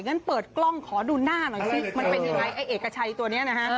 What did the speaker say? งั้นเปิดกล้องขอดูหน้าหน่อยสิมันเป็นยังไงไอ้เอกชัยตัวนี้นะฮะ